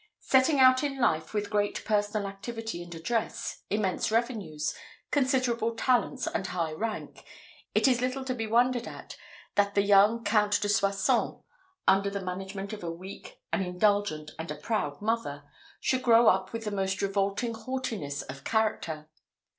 Setting out in life with great personal activity and address, immense revenues, considerable talents, and high rank, it is little to be wondered at that the young Count de Soissons, under the management of a weak, an indulgent, and a proud mother, should grow up with the most revolting haughtiness of character.